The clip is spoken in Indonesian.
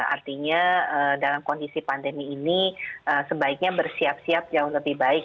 artinya dalam kondisi pandemi ini sebaiknya bersiap siap jauh lebih baik